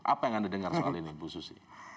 apa yang anda dengar soal ini bu susi